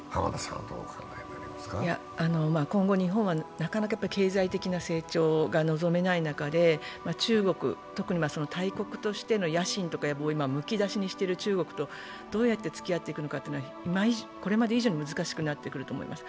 今後、日本はなかなか経済的成長がのびない中、中国と大国としての野心とかむき出しにしている中国とどうやって付き合うのか、これまで以上に難しくなってくると思います。